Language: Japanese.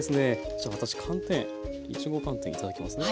じゃあ私寒天いちご寒天頂きますね。